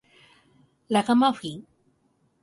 ラガマフィン